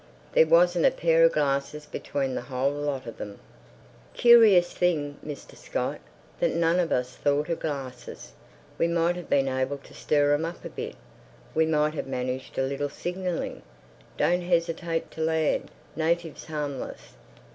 There wasn't a pair of glasses between the whole lot of them. "Curious thing, Mr. Scott, that none of us thought of glasses. We might have been able to stir 'em up a bit. We might have managed a little signalling. _Don't hesitate to land. Natives harmless.